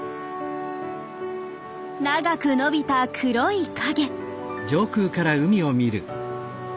長く伸びた黒い影。